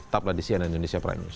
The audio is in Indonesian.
tap ladisian indonesia prime news